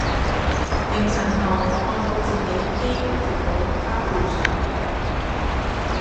定神後看到自己幾乎貼到他背上